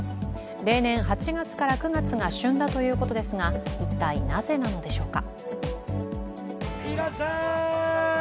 例年８月から９月が旬だということですが、一体なぜなのでしょうか。